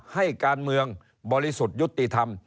ให้การเมืองบริสุทธิ์ยุติธรรม